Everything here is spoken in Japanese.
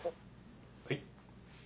はい。